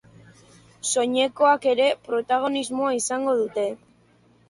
Soinekoak ere protagonismoa izango dute.